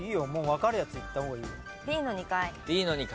もう分かるやついった方がいいよ。